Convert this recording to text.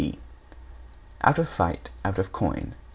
D Out of fight, out of coin.